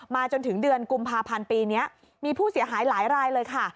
จนถึงเดือนกุมภาพันธ์ปีนี้มีผู้เสียหายหลายรายเลยค่ะ